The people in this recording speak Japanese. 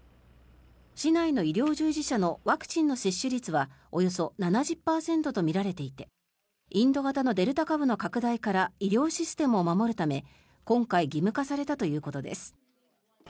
市内の医療従事者のワクチンの接種率はおよそ７０％とみられていてインド型のデルタ株の拡大から医療システムを守るため、今回義務化されたということです。